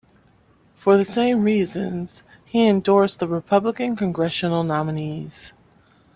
For the same reason, he endorsed the Republican Congressional nominees.